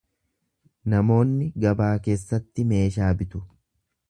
Namoonni gabaa keessatti meeshaa bitu.